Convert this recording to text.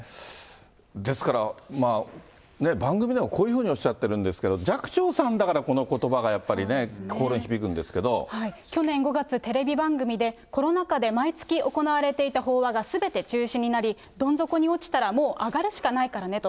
ですから、番組ではこういうふうにおっしゃってるんですけど、寂聴さんだから、このことばがやっぱりね、去年５月、テレビ番組で、コロナ下で毎月行われていた法話がすべて中止になり、どん底に落ちたら、もう上がるしかないからねと。